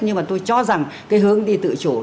nhưng mà tôi cho rằng cái hướng đi tự chủ